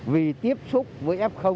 vì tiếp xúc với f